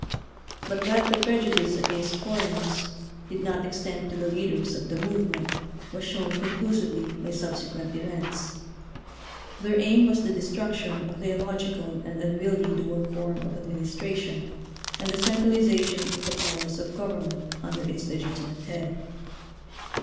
But that the prejudice against foreigners did not extend to the leaders of the move ment was shown conclusively by subse quent events. Their aim was the de struction of the illogical and unwieldy dual form of administration and the cen tralization of the powers of government under its legitimate head.